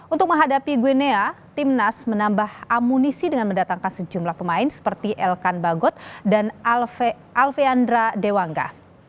untuk menghadapi guinea timnas menambah amunisi dengan mendatangkan sejumlah pemain seperti elkan bagot dan alfeandra dewangga